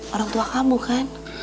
orang tua kamu kan